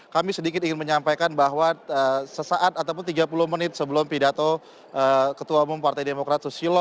kami sedikit ingin menyampaikan bahwa sesaat ataupun tiga puluh menit sebelum pidato ketua umum partai demokrat susilo